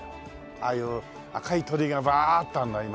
ああいう赤い鳥居がバーッとあるのは今人気だからね。